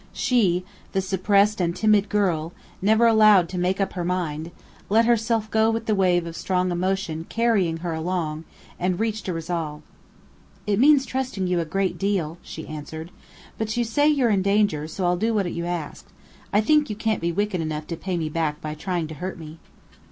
She the suppressed and timid girl, never allowed to make up her mind let herself go with the wave of strong emotion carrying her along, and reached a resolve. "It means trusting you a great deal," she answered. "But you say you're in danger, so I'll do what you ask. I think you can't be wicked enough to pay me back by trying to hurt me."